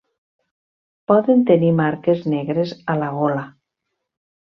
Poden tenir marques negres a la gola.